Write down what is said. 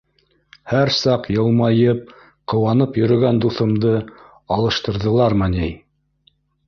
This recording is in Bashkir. Һәр саҡ йылмайып, ҡыуанып йөрөгән дуҫымды алыштырҙылармы ни!